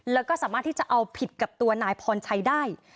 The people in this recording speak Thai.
แล้วก็สามารถที่จะเอาผิดกับตัวนายพรชัยได้